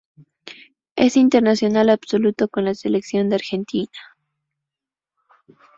Es internacional absoluto con la selección de Argentina.